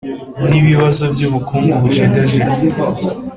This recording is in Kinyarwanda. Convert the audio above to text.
ni ibibazo by’ubukungu bujegajega